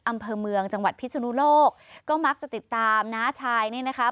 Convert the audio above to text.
อำเภอเมืองจังหวัดพิศนุโลกก็มักจะติดตามน้าชายนี่นะคะ